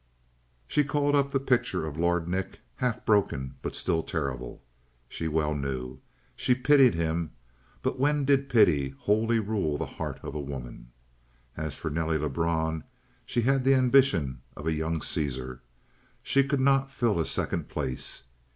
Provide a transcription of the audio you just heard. She called up the picture of Lord Nick, half broken, but still terrible, she well knew. She pitied him, but when did pity wholly rule the heart of a woman? And as for Nelly Lebrun, she had the ambition of a young Caesar; she could not fill a second place.